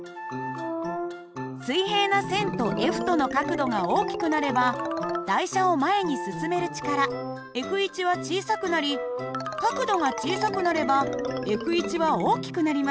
水平な線とＦとの角度が大きくなれば台車を前に進める力Ｆは小さくなり角度が小さくなればＦは大きくなります。